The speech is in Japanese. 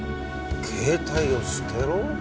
携帯を捨てろ？